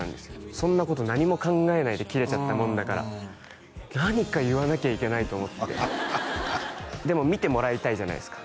そんなこと何も考えないでキレちゃったもんだから何か言わなきゃいけないと思ってでも見てもらいたいじゃないですか